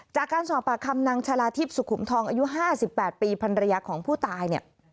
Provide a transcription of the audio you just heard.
จากการสอบปากคำนางชาลาทิพย์สุขุมทองอายุ๕๘ปีภรรยาของผู้ตายเนี่ย